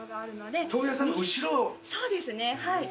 そうですねはい。